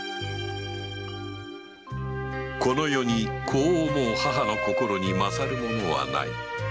この世に子を思う母の心に勝るものはない